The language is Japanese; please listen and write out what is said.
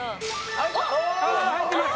あっ入ってます！